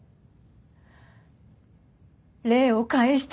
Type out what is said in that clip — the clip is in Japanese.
礼を返して！